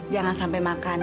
jangan sampai makan